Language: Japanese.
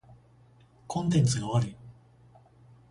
コンテンツが悪い。